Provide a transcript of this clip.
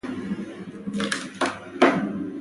هاورکرافت هر لوري ته حرکت کولی شي.